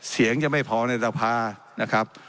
เสียงจะไม่พอในสภานะครับ